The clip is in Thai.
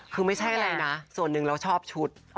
คือไม่ใช่อะไรนะส่วนหนึ่งเราชอบชุด